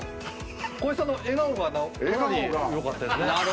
光一さんの笑顔がかなりよかったですね。